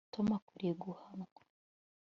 tom akwiriye guhanwa